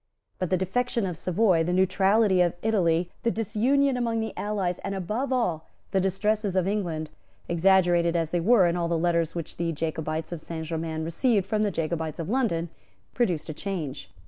But the defection of Savoy, the neutrality of Italy, the disunion among the allies, and, above all, the distresses of England, exaggerated as they were in all the letters which the Jacobites of Saint Germains received from the Jacobites of London, produced a change.